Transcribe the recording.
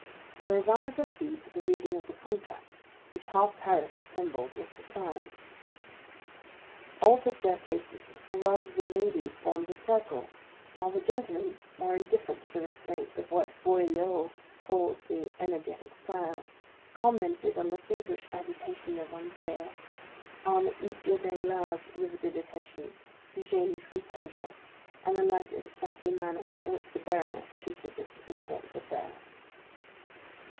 They were about to proceed to the reading of the contract, which half Paris assembled was to sign. All took their places, or rather the ladies formed a circle, while the gentlemen (more indifferent to the restraints of what Boileau calls the style énergique) commented on the feverish agitation of Andrea, on M. Danglars' riveted attention, Eugénie's composure, and the light and sprightly manner in which the baroness treated this important affair.